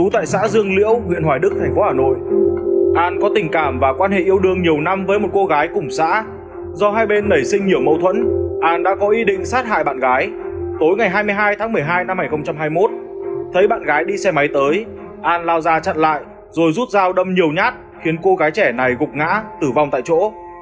tối ngày hai mươi hai tháng một mươi hai năm hai nghìn hai mươi một thấy bạn gái đi xe máy tới an lao ra chặn lại rồi rút dao đâm nhiều nhát khiến cô gái trẻ này gục ngã tử vong tại chỗ